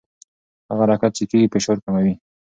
هغه حرکت چې کېږي فشار کموي.